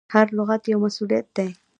هر لغت یو مسؤلیت دی.